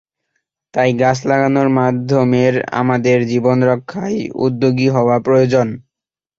তাই গাছ লাগানোর মাধ্যমের আমাদের জীবন রক্ষায় উদ্যোগী হওয়া প্রয়োজন।